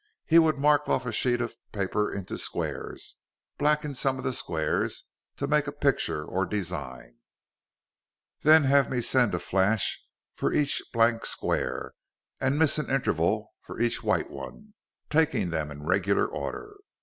He would mark off a sheet of paper into squares, blacken some of the squares to make a picture or design, then have me send a flash for each black square, and miss an interval for each white one, taking them in regular order.